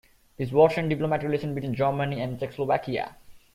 This worsened diplomatic relations between Germany and Czechoslovakia.